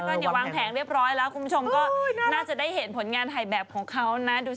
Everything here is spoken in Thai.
ก็เนี่ยวางแผงเรียบร้อยแล้วคุณผู้ชมก็น่าจะได้เห็นผลงานถ่ายแบบของเขานะดูสิ